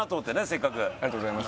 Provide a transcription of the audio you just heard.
せっかくありがとうございます